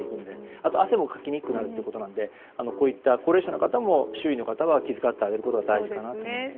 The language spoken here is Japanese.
あと、汗もかきにくくなるということなのでこういった高齢者の方も周囲の方が気遣ってあげることが大事かなと思います。